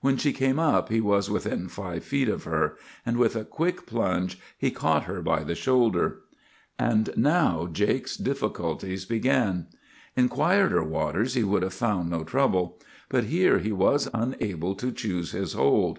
When she came up he was within five feet of her, and with a quick plunge he caught her by the shoulder. "And now Jake's difficulties began. In quieter waters he would have found no trouble, but here he was unable to choose his hold.